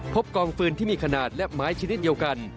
กองฟืนที่มีขนาดและไม้ชนิดเดียวกัน